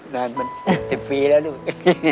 นานมัน๗๐ปีแล้วลูก